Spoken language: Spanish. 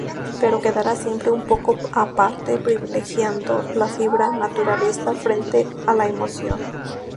Pero quedará siempre un poco aparte, privilegiando la fibra naturalista frente a la emoción.